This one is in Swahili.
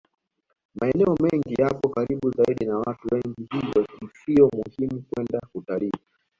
Maeneo mengine yapo karibu zaidi na watu wengi hivyo sio ngumu kwenda kutalii